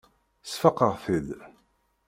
Sfaqeɣ-t-id.